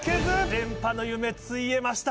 連覇の夢ついえました。